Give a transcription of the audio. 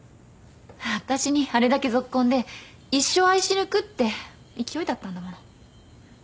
私にあれだけゾッコンで一生愛しぬくって勢いだったんだもの。